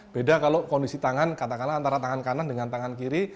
beda kalau kondisi tangan katakanlah antara tangan kanan dengan tangan kiri